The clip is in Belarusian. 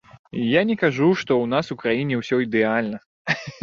Я не кажу, што ў нас у краіне ўсё ідэальна.